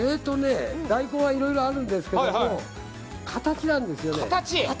大根はいろいろあるんですが形なんですよね。